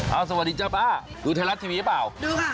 เอาสวัสดีจ้าบ้าดูไทยรัฐทีวีหรือเปล่าดูค่ะ